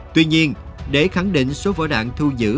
tuy nhiên để khẳng định số vỏ đạn thu giữ